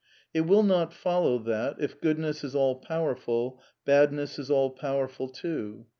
It will not follow that, if Goodness is all powerful, Badness is all powerful too.